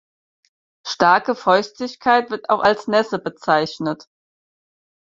Starke Feuchtigkeit wird auch als Nässe bezeichnet.